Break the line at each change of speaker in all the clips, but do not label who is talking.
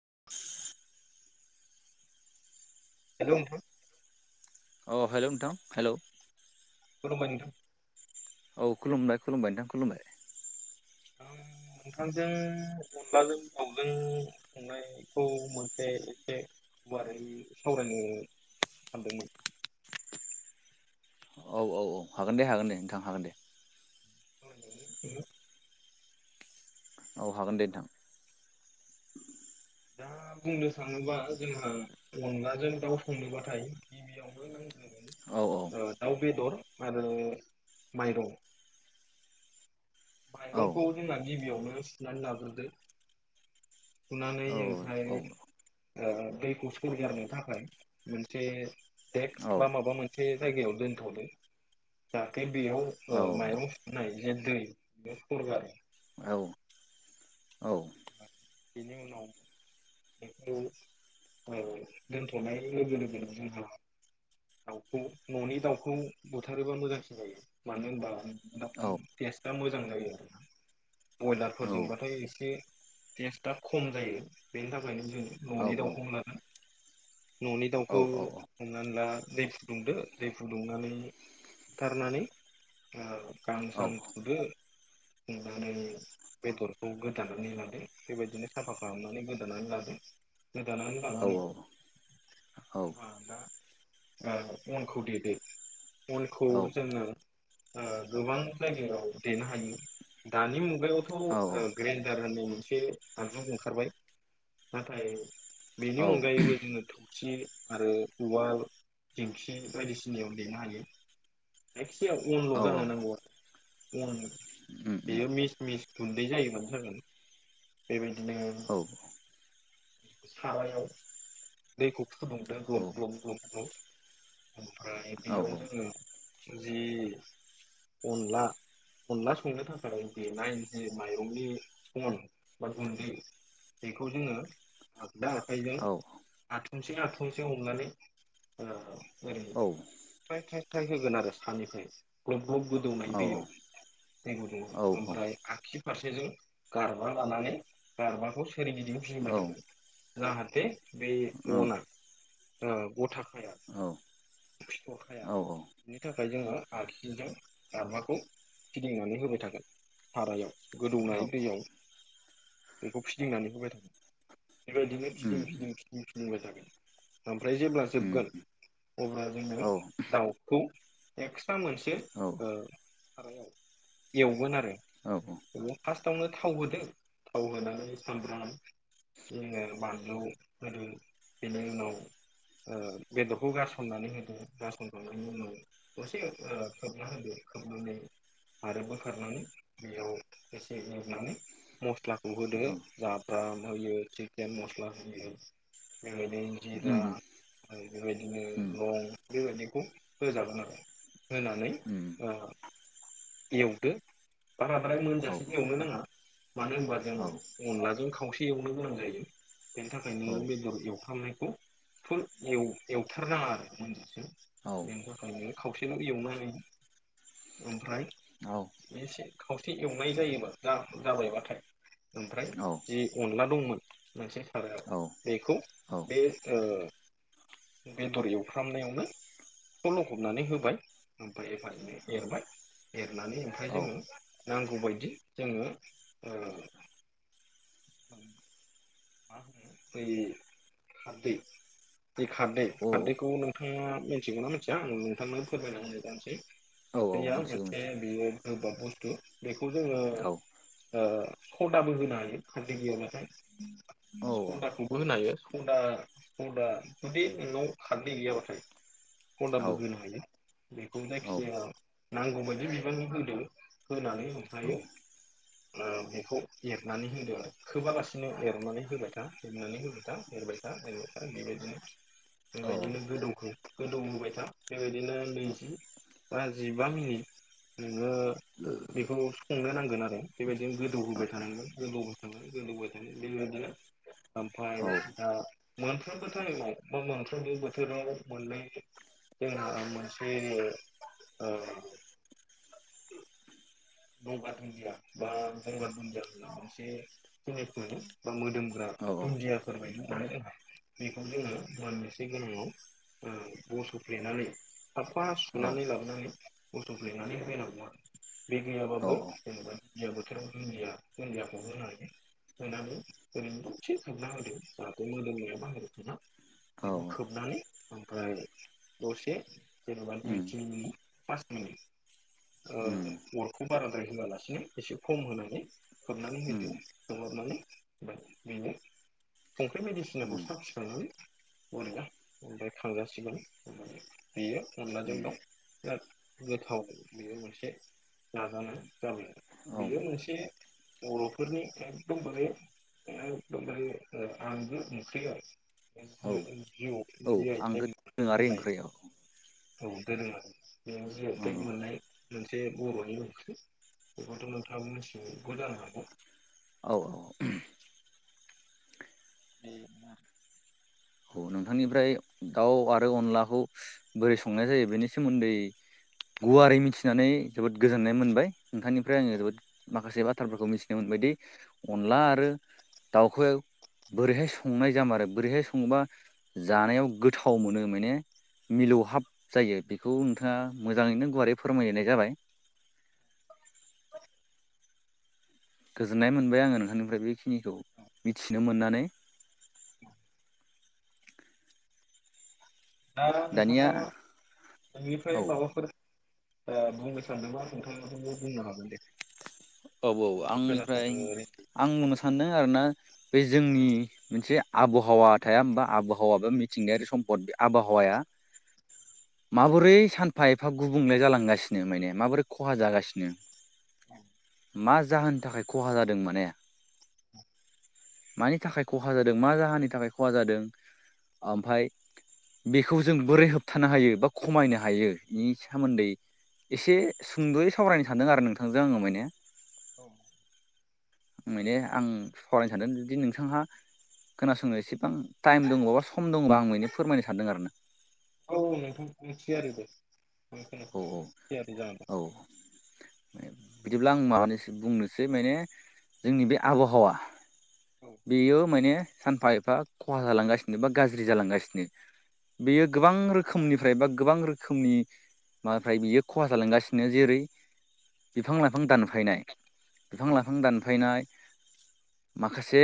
[inaudible]
Hello नोंथां।
अ hello नोंथां हेलौ।
खुलुमबाय नोंथां।
औ खुलुमबाय-खुलुमबाय नोंथां खुलुमबाय।
आं नोंथांजों अनलाजों दाावजों संनायखौ मोनसे एसे गुवारै सावरायनो सानदोंमोन।
औ औ औ हागोन दे हागोन दे नोंथां हागोन दे।
[unintelligible]
औ हागोन दे नोंथां।
दा बुंनो थाङोबा जोंङो अनलाजों दाउ संनोबाथाय गिबियावनो नांगोन
औ
दाउ बेदर आरो माइरं।
औ
माइरंखौ जोंना गिबियावनो सुनानै लाग्रोदो। सुनानै
औ
ओमफ्राय ओ दैखौ सरगारनो थाखाय मोनसे
औ
देक्स बा माबा मोनसे जायगायाव दोनथदों। जाहाथे बेयाव
औ
ओ माइरं सुनाय जे दै बेयाव सरगारो।
औ औ
बिनि उनाव बेखौ औ दोनथ'नाय लोगो-लोगोनो जोंहा दाउखौ न'नि दाउखौ बुथारोबा मोजांसिन जायो मानो होनबा न'नि दाउखौ
औ
एस्रा मोजां जायो आरो ना बयलारफोरजोंबाथाय एसे टेस्टआ खम जायो। बेनि थाखायनो जों न'नि
औ
दाउखौनो लागोन। न'नि दाउखौ
औ
हमनानैला दै फुदुंदो दै फुदुंनानै बुथारनानै ओ गां सां फुदो सुनानै बेदरखौ गोदानानै लादो बेबायदिनो साफा खालामनानै गोदानानै लादों। गोदानानै लानानै
औ
जेनबा दा ओ अन खौ देदो। अनखौ
औ
जोङो गोबां जायगायाव देनो हायो। दानि मुगायावथ' ग्रेन्डार होननाय मोनसे आगजु ओंखारबाय। नाथाय बेनि अनगायैबो जोङो थबसि आरो उवाल दिंखि बायदिसिनायाव देनो हायो। जायखिजाया अनल जानो नांगौ आरो। अन
उम उम
बेयो मिस-मिस गुन्दै जायोबानो जागोन। बेबायदिनो
औ
सारायाव दैखौ फुदुंदो
औ
ग्लब-ग्लब-ग्लब-ग्लब ओमफ्राय
औ
बेयाव जोङो जि अनला अनला संनो थाखाय दे नाय जे माइरंनि अन बा गुन्दि बेखौ जोङो दा आखाइजों
औ
आथुमसे आथमसे हमनानै ओरै
ओं
थ्राय-थ्राय-थ्राय होगोन आरो सनिफ्राय ग्लब-ग्लब गोदौनाय
औ
दैयाव। दै गुदुं
औ
ओमफ्राय आगसि फारसेजों गारबा लानानै गारबाखौ सोरगिदिं [inaudible]
उम
जाहाथे बे
उम
अना गथा खाया।
औ
खाया। बिनि थाखाय जोङो आग्सिजों गारबाखौ फिदिंनानै होबाय थानांगौ। सारायाव गोदौनाय दैयाव बेखौ फिदिंनानै होबाय थानांगौ बेबायदिनो फिदिं फिदिं फिदिं फिदिंबाय थागोन ओमफ्राय जेब्ला जोबगोन अब्ला जोङो दाउखौ एक्सट्रा मोनसे सारायाव एवगोन आरो।
औ औ
बे फास्टाआवनो थाव होदों थाव होनानै सामब्राम जोङो बानलु होदो बेनि उनाव बेदरखौ गारसननानै होदो गारसनखांनायनि उनाव दसे खोबना होदो। खोबनानै आरो बोखारनानै बेयाव एसे एरनानै मस्लाखौ होदो
औ
जाब्रा [unintelligible] सिकेन मस्ला होयो [unintelligible] जिरा
उम
ओमफ्राय
उम
बेबायदिनो लं बेबायदिखौ होजागोन आरो होनानै
उम
ओ एवदो। बाराद्राय
औ
मोनजासे एवनो नाङा मानो होनबा
औ
जों अनलाजों खावसे एवनो गोनां जायो। बेनि थाखायनो
औ
बेदर एवफ्रामनायखौ फुल एव-एवथार नाङा आरो मोनजा से।
औ
[unintelligible] खावसेल' एवनो हायो ओमफ्राय
औ
एसे खावसे एवनाय जायोबा जा-जाबाय बाथाय ओमफ्राय
औ
जि अनला दंमोन मोनसे सारायाव
औ
बेखौ बे ओ बेदर एवफ्रामनायावनो स' लखबनानै होबाय ओमफाय [unintelligible] एरबाय। एरनानै ओमफ्राय जोङो नांगौ बायदि जोङो ओ मा होनो बै खारदै खारदै।
औ
खारदैखौ नोंथाङा मिथिगौ ना मिथिया आं नोंथांनो फोरमायना होनाय जानोसै।
औ औ
खारदैया
मिथिगौ
मोनसे
मिथिगौ
बेयो गोबाब बुस्थु। बेखौ जोङो
औ
ओ सदाबो होनो हायो खारदै गैयाब्लाथाय।
औ
सदाखौबो होनो हायो सदा सदा जुदि नोंनाव खारदै गैयाबाथाय।
औ
सदाबो होनो हायो। बेखौ जायखि
औ
जाया नांगौ बायदि बिबांनि होदो होनानै
औ
ओमफ्रायो ओ बेखौ एरनानै होदो आरो खोबालासिनो एरनानै होबाय था एरनानै होबाय था एरबाय था एरबाय था बेबायदिनो
औ औ
बेबायदिनो गोदौखो गोदौ होबाय था बेबायदिनो नैजि बा जिबा मिनिट नोङो बेखौ संनो नांगोन आरो बेबायदिनो गोदौ होबाय थानांगोन। गोदौ होबाय थानांगोन गोदौ होबाय थानांगोन बेबायदिनो ओमफ्राय
औ
दा मोनफ्रोमबो टाइमाव बा मोनफ्रोमबो बोथोराव मोननै जोंहा मोनसे ओ गंगार दुन्दिया बा गंगार दुन्दियाखो इसे [unintelligible] मोदोमो। दुुन्दियाफोर बायदि मानो बेखौ जोङो मोननोसै गोनाङाव ओ बस'फ्लेनानै साफा सुनानै लाबोनानै बस'फ्लेनानै होलायनांगौ आरो बे गैयाबाबो जेनेबा दुन्दिया बोथोराव दुन्दिया दुन्दियाखौबो होनो हायो। [unintelligible] बेखौ खोबनानै ओमफ्राय दसे जेनबा
उम
दुइ तिन मिनिट पास मिनिट ओ अरखौ बाराद्राय होआलासिनो एसे खम होनानै खोबनानै
उम
होदो खोबहाबनानै बेनो संख्रि बायदिसिनाखौ
उम
साखि नायनानै बरिया। ओमफ्राय खांजासिगोन [unintelligible] बियो अनलाजों
उम
दाउ बिराद गोथाव बेयो मोनसे जाजानाय जाबाय।
औ
बेयो मोनसे बर'फोरनि एखदम बारे एकदम बारे ओ आंगो ओंख्रि
औ
आरो [unintelligible] जि आइ
आंगो
टेग
दोरोङारि
बुंनाय
ओंख्रि औ
औ दोरोङारि। बेयो जि आइ टेग मोननाय मोनसे बर'नि ओंख्रि। बेखौथ' नोंथाङाबो मोनथिखागौबो जानो हागौ
औ औ।
बे मा
नोंथांनिफ्राय दाउ आरो अनलाखौ बोरै संनाय जायो बेनि सोमोन्दै गुवारै मिथिनानै जोबोद गोजोननाय मोनबाय नोंथांनिफ्राय आङो जोबोद माखासे बा थ्राफोरखौ मिथिनो मोनबायदि अनला आरो दाउखौ बोरैहाय संनाय जामारो बोरैहाय संबा जानायाव गोथाव मोनो माने मिलौहाब जायो बेखौ नोंथाङा मोजाङैनो गुवारै फोरमायनाय जाबाय। गोजोननाय मोनबाय आङो नोंथांनिफ्राय बेखिनिखौ मिथिनो मोननानै
दा
दानिया
नोंथाङा नोंनिफ्राय
औ
माबाफोर ओ बुंनो सानदोंबा नोंथांआबो बुंनो हागोन दे
औ औ
आं
आंनिफ्राय
खोनासंनो ओरैनो
आं बुंनो सानदों आरोना बे जोंनि मोनसे आबहावा थाया होमबा आबहावाबा मिथिंगायारि सम्पद बे आबहावाया माबोरै सानफा एफा गुबुंले जालांगासिनो माने माबोरै खहा जागासिनो
औ
मा जाहोननि थाखाय खहा जादों माने मानि थाखाय खहा जादों मा जाहोननि थाखाय खहा जादों ओमफ्रायाय बेखौ जों बोरै होबथानो हायो बा खमायनो हायो बेनि सोमोन्दै एसे सुंद'यै सावरायनो सानदों आरो नोंथांजों आङो माने
औ
माने आं सावरायनो सानदों जुदि नोंथांहा खोनासंनो एसेबां टाइम दङबा सम दङबा आं बेनो फोरमायनो सानदों आरोना।
औ नोंथां मिथि आरिबो
औ
[unintelligible]
औ बिदिब्ला आं माबानोसै बुंनोसै माने जोंनि बे आबहावा
औ
बेयो माने सानफा एफा खहा जालांगासिनो बा गाज्रि जालांगासिनो बेयो गोबां रोखोम रोखोमनिफ्राय बा गोबां रोखोमनि नाथाय बियो खहा जालांगासिनो जेरै बिफां लाइफां दानफायनाय बिफां
औ
लाइफां दानफायनाय माखासे एसे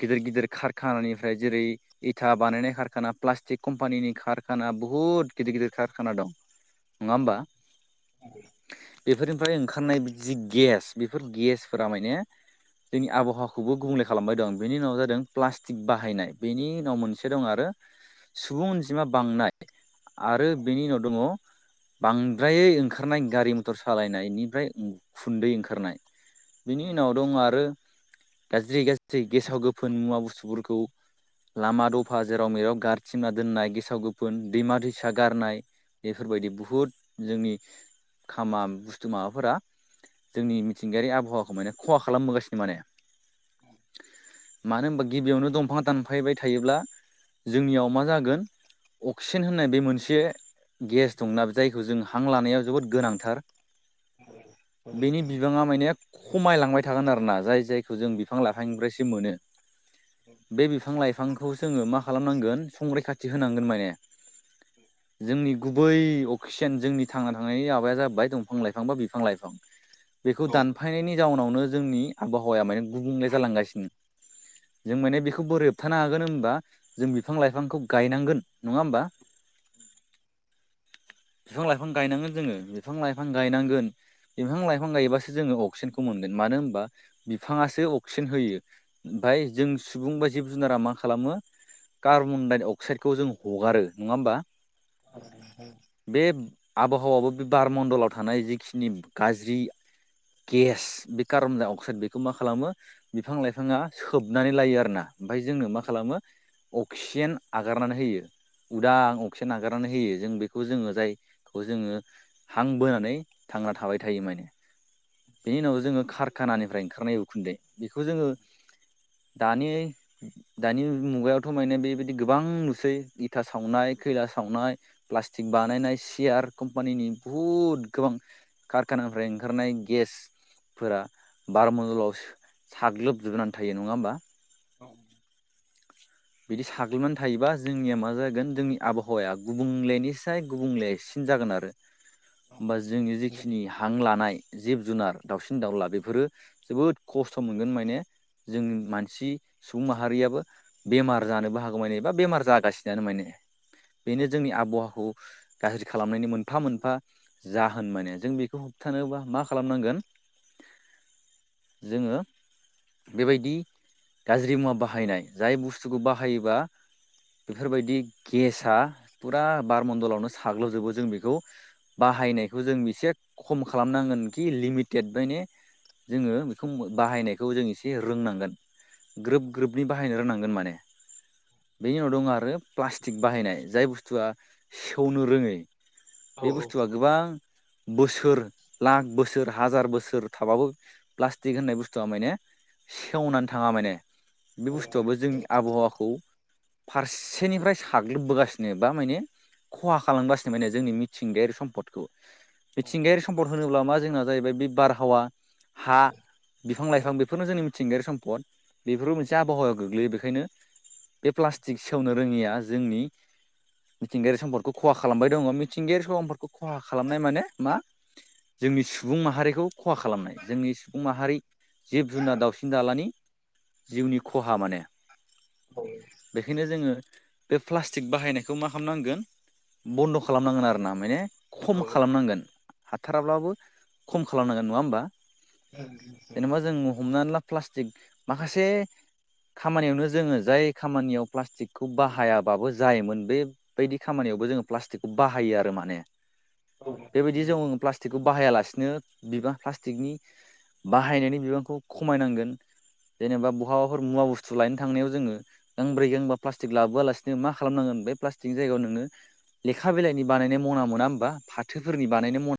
गिदिर गिदिर कारखानानिफ्राय जेरै इथा बानायनाय खारखाना प्लास्टिक कम्पानिनि कारखाना बहुत गिदिर गिदिर कारखाना दं नङा होमबा। बेफोरनिफ्राय ओंखारनाय बिदि गेस बेफोर गेसफोरा माने जोंनि आबहावाखौबो गुबुंले खालामबाय दं बेनि उनाव जादों प्लास्टिक बाहायनाय बेनि उनाव मोनसे दं आरो। सुबुं अनजिमा बांनाय आरो बेनि उनाव दङ। बांद्रायै ओंखारनाय गारि मथर सालायनायनिफ्राय उखुन्दै ओंखारनाय बिनि उनाव दङ आरो गाज्रि गाज्रि गेसाव गोफोन मुवा बुस्थुफोरखौ लामा दफा जेराव मेराव गारथिंना दोननाय गेसाव गोफोन दैमा दैसा गारनाय बेफोरबायदि बुहुद जोंनि खामा बुस्थु माबाफोरा जोंनि मिथिंगायारि आबहावाखौ माने खहा खालामबोगासिनो माने मानो होनबा गिबियावनो दंफां दानफायबाय थायोब्ला जोंनियाव मा जागोन। अक्सिजेन होननाय बे मोनसे गेस दंना जायखौ जों हां लानायाव जोबोद गोनांथार।
औ औ
बेनि बिबाङा माने खमायलांबाय थागोन आरोना जाय जायखौ जों बिफां लाइफांनिफ्रायसो मोनो बे बिफां लाइफांखौ जोङो मा खालामनांगोन संग्रैखाथि होनांगोन माने
[inaudible]
जोंनि गुबै अक्सिजेन जोंनि थांना थानायनि माबाया जाबाय दंफां लाइफां बा बिफां लाइफां बेखौ दानफायनायनि जाउनावनो जोंनि आबहावाया माने गुबुंले जालांगासिनो जों माने बेखौ बोरै होबथानो हागोन होनोबा जों बिफां लाइफांखौ गायनांगोन नङा होमबा।
[inaudible]
बिफां लाइफां गायनांगोन जोङो बिफां लाइफां गायनांगोन बिफां लाइफां गायबासो जोङो अक्सिजेनखौ मोनगोन। मानो होमबा बि बिफाङासो अक्सिजेन होयो ओमफाय जों सुबुं बा जिब जुनारा मा खालामो कार्बन डाइ अक्साइदखौ जों हगारो नङा होमबा
औ
बे आबहावाबो बे बार मणडलाव थानाय जिखिनि गाज्रि गेस बि कार्बन-डाइ-अक्साइड बेखौ मा खालामो बिफां लाइफाङा सोबनानै लायो आरोना ओमफ्राय जोंङो मा खालामो अक्सिजेन आगारनानै होयो उदां अक्सिजेन नागारनानै होयो जों बेखौ जोङो जायखौ जोङो हां बोनानै थांना थाबाय थायो माने बेनि उनाव जोङो कारखानानिफ्रायनो खारनाय उखुन्दै बेखौ जोङो दानि दानि मुगायावथ' माने बेबायदि गोबां नुसै इथा सावनाय खैला सावनाय प्लास्टिक बानायनाय सियार कम्पानिनि बुहुत गोबां कार निफ्राय ओंखारनाय गेसफोरा बार मण्डलाव साग्लोबजोबनानै थायो नङा होमबा बिदि साग्लोबनानै थायोबा जोंनिया मा जागोन जोंनि आबहावाया गुबुंलेनिसाय गुबुंलेसिम जागोन आरो होमबा जोंनि जेखिनि हां लानाय जिब जुनार दाउसिन दाउला बेफोरो जोबोद खस्थ' मोनगोन माने जोंनि मानसि सुबुं माहारियाबो बेमार जानोबो हागौ माने एबा बेमार जागासिनोआनो माने बेनो जोंनि आबहावाखौ गाज्रि खालामनायनि मोनफा मोनफा जाहोन माने जों बेखौ होबथानोबा मा खालामनांगोन
[inaudible]
जोङो बेबायदि गाज्रि मुवा बाहायनाय जाय बुस्थुखौ बाहायोबा बेफोरबायदि गेसआ फुरा बारमणन्दलावनो साग्ल'जोबो जों बेखौ बाहायनायखौ जों एसे खम खालामनांगोन खि लिमिटेड माने जोङो बेखौ बाहायनायखौ जों एसे रोंनांगोन ग्रोब ग्रोबनि बाहायनो रोंनांगोन माने बेनि उनाव दं आरो प्लाष्टिक बाहायनाय जाय बुस्थुआ सेवनो रोङै बे बुस्थुआ गोबां बोसोर लाख बोसोर हाजार बोसोर थाबाबो प्लास्टिक होननाय बुस्थुआ माने सेवनानै थाङा माने बे बुस्थुआबो जोंनि आबहावाखौ फारसेनिफ्राय साग्लोबबोगासिनो बा माने खहा खालामगासिनो माने जोंनि मिथिंगायारि सम्पदखौ मिथिंगायारि सम्पद होनोब्ला मा जोंना जाहैबाय बे बारहावा हा बिफां लाइफां बेफोरनो जोंनि मिथिंगायारि सम्पद बेफोरबो मोनसे फि आबहावायाव गोग्लैयो बेखायनो बे प्लास्टिक सेवनो रोङिया जोंनि मिथिंगायारि समफोरखौ खहा खालामबाय दङ मिथिंगायारि सम्पदफोरखौ खहा खालामनाय माने मा जोंनि सुबुं माहारिखौ खहा खालामनाय जोंनि सुबुं माहारि जिब जुनार दाउसिन दाउलानि जिउनि खहा माने बेखायनो जोङो बे प्लास्टिक बाहायनायखौ मा खालामनांगोन बन्द' खालामनांगोन आरो ना माने खम खालामनांगोन हाथाराब्लाबो खम खालामनांगोन नङा होमबा जेनेबा जों हमनानै ला प्लास्टिक माखासे खामानियावनो जोङो जाय खामानियाव प्लास्टिकखौ बाहायाबाबो जायोमोन बेबायदि खामानियाव थेवबो जों प्लास्टिकखौ बाहायो आरो माने
औ औ
बेबायदि
औ
जोङो प्लस्टिक बेखौ बाहायालासिनो बिबां प्लास्टिकनि बाहायनायनि बिबांखौ खमायनांगोन जेनेबा बहाफोर मुवा बुस्थु लनो थांनायाव जोङो गांब्रै गांबा प्लास्टिक लाबोआलासिनो मा खालामनांगोन बे प्लास्टिक जायगायाव नोङो लेखा बिलाइनि बानायनाय मना मोना होमबा फाथोफोरनि बानायनाय मना